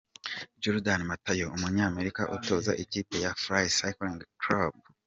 Jordan Mathew umunya-Amerika utoza ikipe ya Fly Cycling Club .